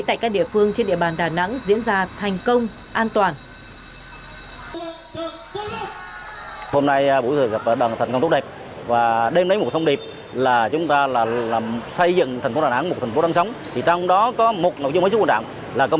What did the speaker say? tại các địa phương trên địa bàn đà nẵng diễn ra thành công an toàn